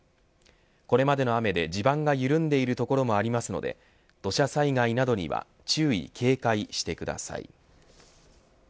これまでの雨で地盤が緩んでいる所もありますので土砂災害などには注意、警戒してください。